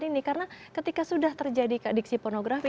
terhadap para korban ini karena ketika sudah terjadi keadiksi pornografi